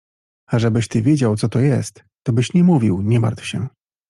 — A żebyś ty wiedział, co to jest, to byś nie mówił „nie martw się”.